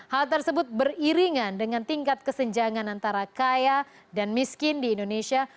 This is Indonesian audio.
hal tersebut beriringan dengan tingkat kesenjangan antara kaya dan miskin di indonesia